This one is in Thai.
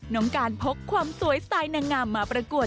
น้องการพกความสวยสไตล์นางงามมาประกวด